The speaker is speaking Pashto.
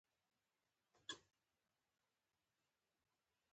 تر مازديگره ورسره په دوکان کښې کښېناستم.